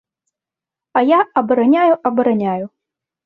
А я абараняю, абараняю.